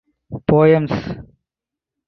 Poems.